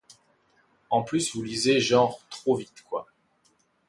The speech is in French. En plus vous lisez genre trop vite, quoi.